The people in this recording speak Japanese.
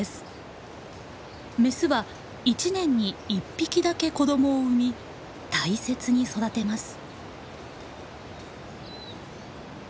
メスは一年に１匹だけ子どもを産み大切に育てます。